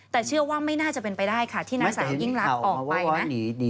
แต่เชื่อว่าไม่น่าจะเป็นไปได้ค่ะที่นางสาวยิ่งรักออกไปนะ